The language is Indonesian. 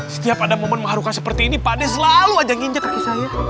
setiap ada momen mengharukan seperti ini pak adek selalu aja nginjek kaki saya